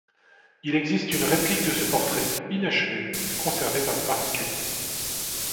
Il existe une réplique de ce portrait, inachevé, conservé par des particuliers.